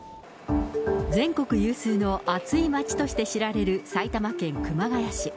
全国有数の暑い町として知られる埼玉県熊谷市。